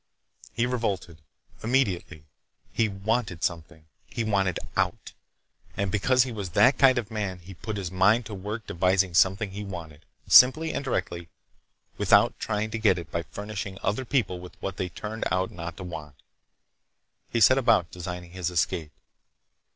He revolted, immediately. He wanted something! He wanted out. And because he was that kind of man he put his mind to work devising something he wanted, simply and directly, without trying to get it by furnishing other people with what they turned out not to want. He set about designing his escape.